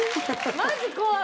マジ怖い！